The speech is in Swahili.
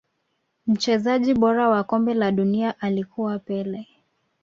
Mchezaji bora wa kombe la dunia alikuwa pele